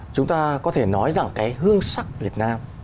chúng ta có thể nói rằng cái hương sắc việt nam